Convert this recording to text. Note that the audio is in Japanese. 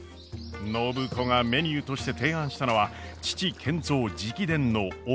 暢子がメニューとして提案したのは父賢三直伝の沖縄そば！